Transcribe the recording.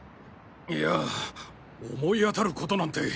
いや思い当たる事なんて。